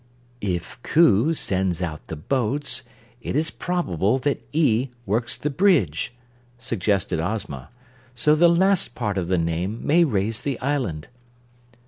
"If 'Coo' sends out the boats, it is probable that ee' works the bridge," suggested Ozma. "So the last part of the name may raise the island."